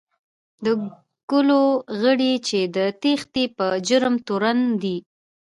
د کلو غړي چې د تېښتې په جرم تورن دي.